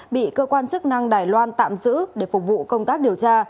bị cơ quan chức năng đài loan tạm giữ để phục vụ công tác điều tra